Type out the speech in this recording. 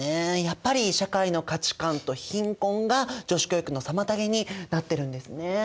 やっぱり社会の価値観と貧困が女子教育の妨げになってるんですね。